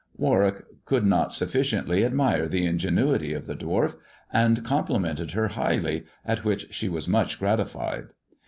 Warwick could not sufficiently admire the ingenuity of the dwarf, and complimented her highly, at which she was much gratified.